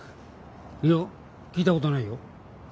いや聞いたことないよ。